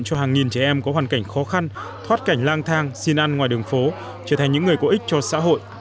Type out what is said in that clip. cho hàng nghìn trẻ em có hoàn cảnh khó khăn thoát cảnh lang thang xin ăn ngoài đường phố trở thành những người có ích cho xã hội